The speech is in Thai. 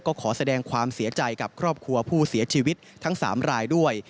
ก็ขอแสดงความเสียใจกับครอบครัวผู้เสียชีวิตทั้ง๓รายด้วย